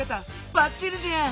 ばっちりじゃん！